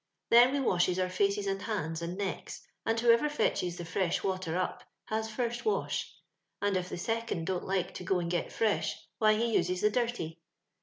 Then we washes our fikces and hands, and necks, and whoever fetches the fresh water up has first wash ; and if the second dont like to go and get fresh, why he uses the dirty.